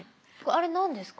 あれ何ですか？